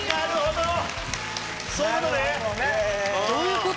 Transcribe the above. どういうこと？